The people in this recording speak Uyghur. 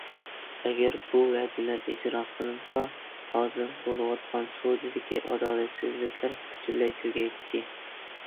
ئەگەر بۇ ۋەدىلەر ئىجرا قىلىنسا ھازىر بولۇۋاتقان سودىدىكى ئادالەتسىزلىكلەر پۈتۈنلەي تۈگەيتتى.